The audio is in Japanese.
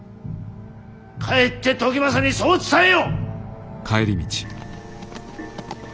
帰って時政にそう伝えよ！